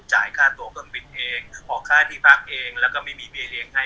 จ่ายค่าตัวเครื่องบินเองออกค่าที่พักเองแล้วก็ไม่มีเบี้ยเลี้ยงให้